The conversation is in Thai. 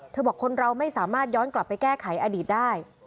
บอกคนเราไม่สามารถย้อนกลับไปแก้ไขอดีตได้